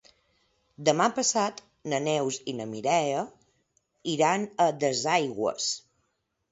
Demà passat na Neus i na Mireia iran a Duesaigües.